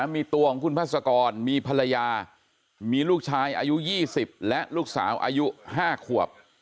มีตัวของคุณพัศกรมีภรรยามีลูกชายอายุ๒๐และลูกสาวอายุ๕ขวบ